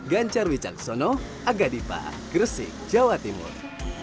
pencer wicak sono aga dipa gresik jawa timur